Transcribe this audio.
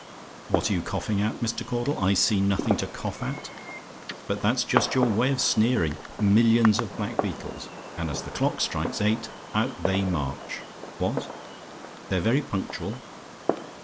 What are you coughing at, Mr. Caudle? I see nothing to cough at. But that's just your way of sneering. Millions of black beetles! And as the clock strikes eight, out they march. What? "THEY'RE VERY PUNCTUAL?